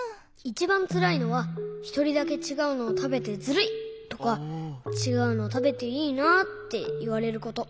いちばんつらいのは「ひとりだけちがうのをたべてずるい」とか「ちがうのたべていいな」っていわれること。